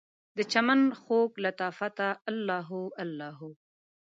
دچمن خوږ لطافته، الله هو الله هو